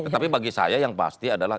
tetapi bagi saya yang pasti adalah